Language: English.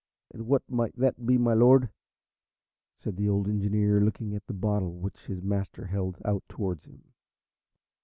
"And what might that be, my Lord?" said the old engineer, looking at the bottle which his master held out towards him.